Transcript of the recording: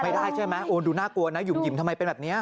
ไม่ได้ใช่ไหมโอ้ดูน่ากลัวนะหยุ่มทำไมเป็นแบบนี้